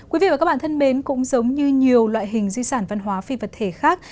quý vị và các bạn thân mến cũng giống như nhiều loại hình di sản văn hóa phi vật thể khác